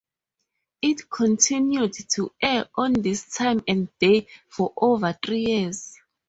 It continued to air on this time and day for over three years.